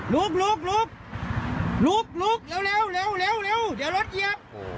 ลุกลุกลุกลุกลุกเร็วเร็วเร็วเร็วเดี๋ยวรถเยียบ